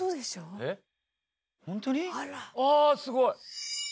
あすごい。